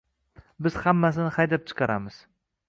biz hammasini haydab chiqaramiz